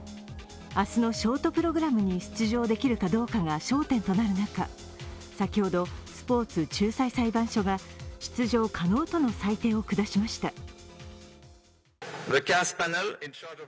明日のショートプログラムに出場できるかどうかが焦点となる中、先ほどスポーツ仲裁裁判所が出場可能との裁定を下しました。